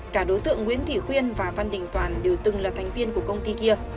cả đối tượng nguyễn thị khuyên và văn đình toàn đều từng là thành viên của công ty kia